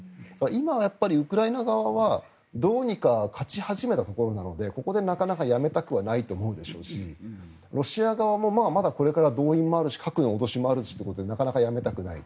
今、ウクライナ側はどうにか勝ち始めたところなのでここでやめたくはないでしょうしロシア側もまだこれから動員もあるし核の脅しもあるしということでなかなかやめたくない。